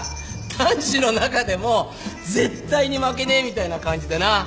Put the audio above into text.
男子の中でも絶対に負けねえみたいな感じでな。